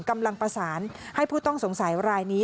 กำลังประสานให้ผู้ต้องสงสัยรายนี้